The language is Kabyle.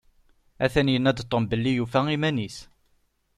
Atan yenna-d Tom belli yufa iman-is.